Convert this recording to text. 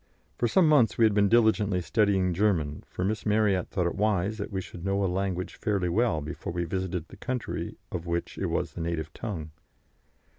For some months we had been diligently studying German, for Miss Marryat thought it wise that we should know a language fairly well before we visited the country of which it was the native tongue.